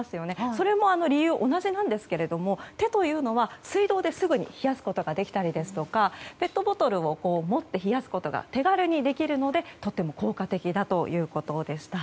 それも理由は同じなんですが手というのは水道ですぐに冷やすことができたりとかペットボトルを持って冷やすことが手軽にできるので、とても効果的だということでした。